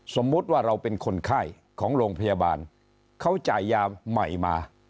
สมมุติว่าเราเป็นคนไข้ของโรงพยาบาลเขาจ่ายยาใหม่มา